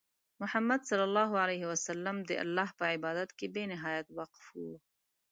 محمد صلى الله عليه وسلم د الله په عبادت کې بې نهایت وقف وو.